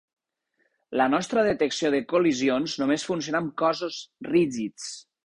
La nostra detecció de col·lisions només funciona amb cossos rígids.